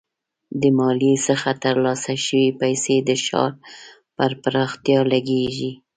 د مالیې څخه ترلاسه شوي پیسې د ښار پر پراختیا لګیږي.